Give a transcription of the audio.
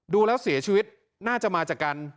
ดูแล้วเสียชีวิตน่าจะมาจากการ